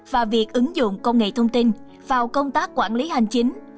và việc ứng dụng công nghệ thông tin vào công tác quản lý hành chính